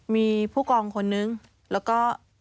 มีผู้กองคนนึงแล้วก็